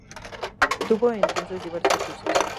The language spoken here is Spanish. Tuvo entonces diversos usos.